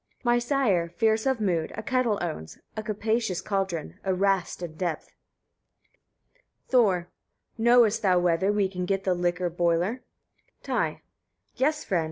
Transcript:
My sire, fierce of mood, a kettle owns, a capacious cauldron, a rast in depth." Thor. 6. "Knowest thou whether we can get the liquor boiler?" Ty. "Yes, friend!